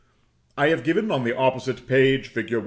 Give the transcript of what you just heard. I have given, on the opposite page (fig.